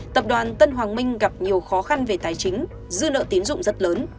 tập đoàn tân hoàng minh gặp nhiều khó khăn về tài chính dư nợ tiến dụng rất lớn